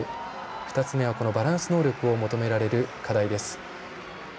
２つ目はバランス能力を求められる課題です。